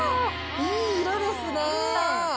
いい色ですね。